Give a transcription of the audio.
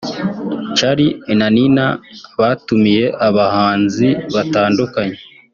Charly na Nina batumiye abahanzi batandukanye